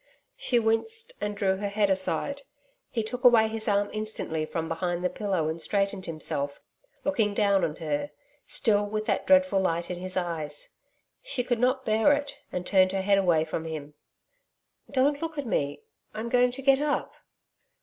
She winced and drew her head aside. He took away his arm instantly from behind the pillow and straightened himself, looking down on her, still with that dreadful light in his eyes. She could not bear it, and turned her head away from him. 'Don't look at me.... I'm going to get up.'